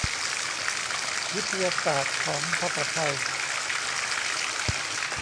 วิทยาศาสตร์ของภาษาไทย